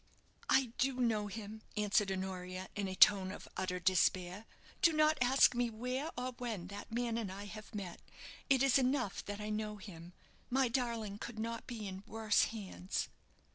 "I do know him," answered Honoria, in a tone of utter despair. "Do not ask me where or when that man and I have met. It is enough that I know him. My darling could not be in worse hands."